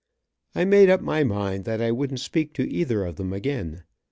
I made up my mind that I wouldn't speak to either of them again.